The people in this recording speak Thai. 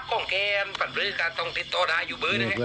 หลุมมันจะไม่เห็นตนหน้ากลับเลยนะครับ